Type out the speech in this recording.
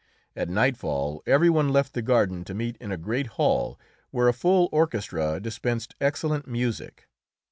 At nightfall every one left the garden to meet in a great hall where a full orchestra dispensed excellent music.